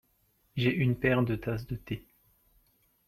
J'ai une paire de tasses de thé.